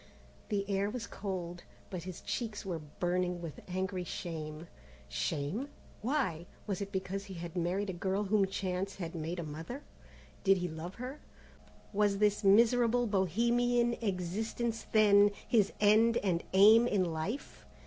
The air was cold, but his cheeks were burning with angry shame. Shame? Why? Was it because he had married a girl whom chance had made a mother? Did he love her? Was this miserable bohemian existence, then, his end and aim in life?